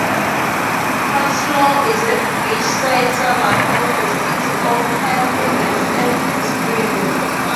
Cottesloe is a beach-side suburb of the city of Perth in Western Australia.